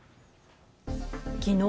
きのう